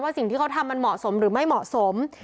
สิ่งที่เขาทำมันเหมาะสมหรือไม่เหมาะสม